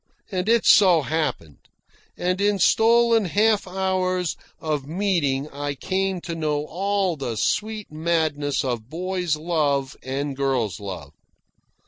And it so happened. And in stolen half hours of meeting I came to know all the sweet madness of boy's love and girl's love.